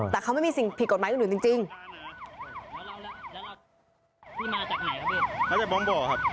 แต่เขาไม่มีสิ่งผิดกฎหมายอื่นจริง